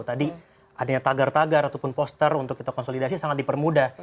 tadi adanya tagar tagar ataupun poster untuk kita konsolidasi sangat dipermudah